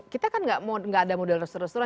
kita kan gak ada model resul resul